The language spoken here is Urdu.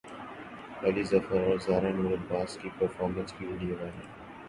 علی ظفر اور زارا نور عباس کی پرفارمنس کی ویڈیو وائرل